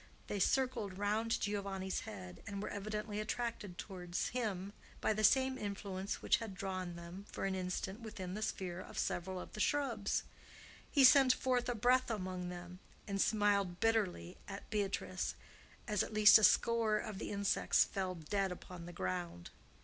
They circled round Giovanni's head, and were evidently attracted towards him by the same influence which had drawn them for an instant within the sphere of several of the shrubs. He sent forth a breath among them, and smiled bitterly at Beatrice as at least a score of the insects fell dead upon the ground.